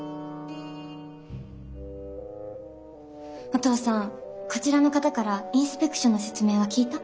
お父さんこちらの方からインスペクションの説明は聞いた？